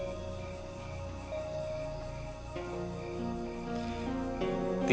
jangan lupa untuk berhenti